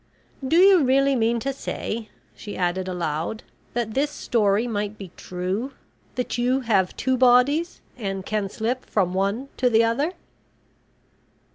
Do you really mean to say," she added aloud, "that this story might be true; that you have two bodies and can slip from one to the other?"